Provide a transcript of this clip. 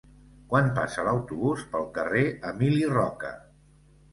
Quan passa l'autobús pel carrer Emili Roca?